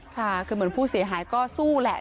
ค่ะคือเหมือนผู้เสียหายก็สู้แหละ